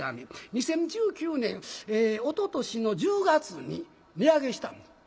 ２０１９年おととしの１０月に値上げしたんです。